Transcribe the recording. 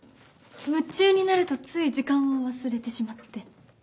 夢中になるとつい時間を忘れてしまって。